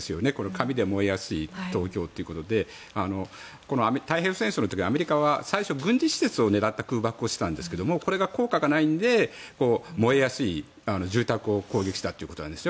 紙で燃えやすい東京ということで太平洋戦争の時にアメリカは最初、軍事施設を狙った空爆をしていたんですが効果がないので燃えやすい住宅を攻撃したということです。